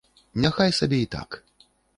Няхай сабе і так.